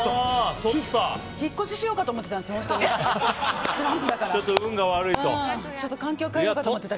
引っ越ししようかと思ってたんです、スランプだから。